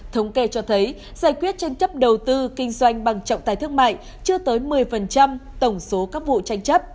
thống kê cho thấy giải quyết tranh chấp đầu tư kinh doanh bằng trọng tài thương mại chưa tới một mươi tổng số các vụ tranh chấp